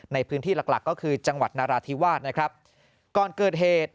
ในพื้นที่หลักหลักก็คือจังหวัดนราธิวาสนะครับก่อนเกิดเหตุ